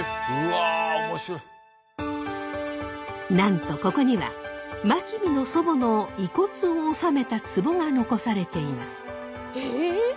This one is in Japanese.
なんとここには真備の祖母の遺骨を納めたつぼが残されています。